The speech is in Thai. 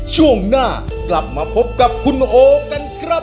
ช่วงหน้ากลับมาพบกับคุณโอกันครับ